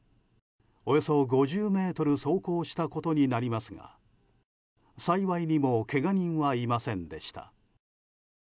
およそ５０ｍ走行したことになりますが幸いにもけが人はいませんでした。